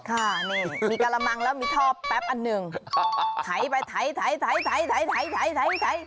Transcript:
ค่ะนี่มีกระมังแล้วมีท่อแป๊บอันหนึ่งไถไปไถ